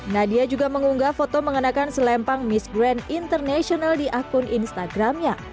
nadia juga mengunggah foto mengenakan selempang miss grand international di akun instagramnya